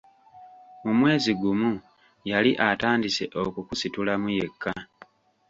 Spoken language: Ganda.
Mu mwezi gumu yali atandise okukusitulamu yekka.